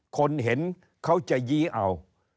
คนเห็นเขาจะยี้เอา